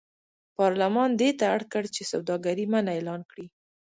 پارلمان دې ته اړ کړ چې سوداګري منع اعلان کړي.